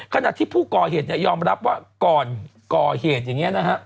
ขณะที่ผู้ก่อเหตุยอมรับว่าก่อนก่อเหตุอย่างนี้นะฮะ